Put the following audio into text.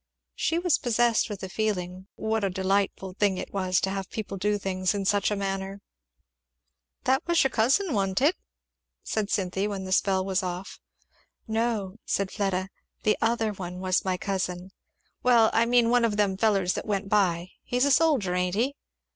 She was possessed with the feeling, what a delightful thing it was to have people do things in such a manner. "That was your cousin, wa'n't it?" said Cynthy, when the spell was off. "No," said Fleda, "the other one was my cousin." "Well I mean one of them fellers that went by. He's a soldier, ain't he?'